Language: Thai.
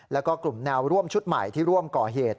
แล้วก็กลุ่มแนวร่วมชุดใหม่ที่ร่วมก่อเหตุ